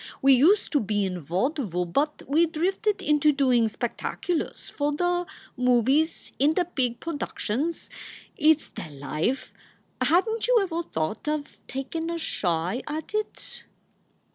We used to be in vawdvul, but we drifted into doin spec taculars for the movies in the big perductions. It s the life! Hadn t you ever thought of takin a shy at it